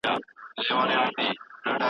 ژورنالیزم پوهنځۍ په اسانۍ سره نه منظوریږي.